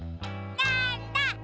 なんだ？